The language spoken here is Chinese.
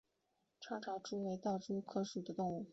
长触潮蛛为盗蛛科潮蛛属的动物。